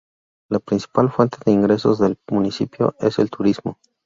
La principal fuente de ingresos del municipio es el turismo.